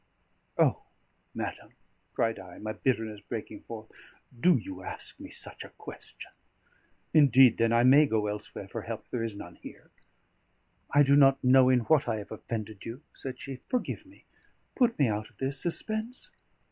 "O! madam," cried I, my bitterness breaking forth, "do you ask me such a question? Indeed, then, I may go elsewhere for help; there is none here!" "I do not know in what I have offended you," said she. "Forgive me; put me out of this suspense."